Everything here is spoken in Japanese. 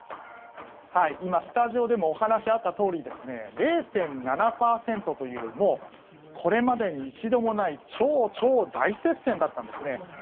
今、スタジオでもお話があったとおり０．７％というもうこれまでに一度もない超超大接戦だったんですね。